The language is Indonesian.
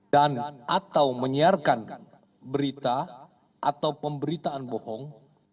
dan atau menyiarkan berita atau pemberitaan bohong